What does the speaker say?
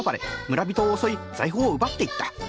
村人を襲い財宝を奪っていった。